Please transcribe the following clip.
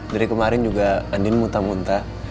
dari kemarin juga andin muntah muntah